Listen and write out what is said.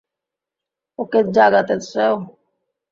ওকে জাগাতে চাও?